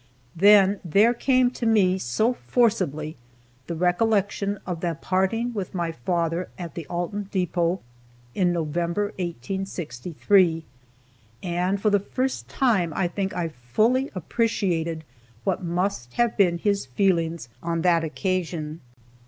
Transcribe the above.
Then there came to me, so forcibly, the recollection of the parting with my father at the Alton depot in November, 1863, and for the first time I think I fully appreciated what must have been his feelings on that occasion.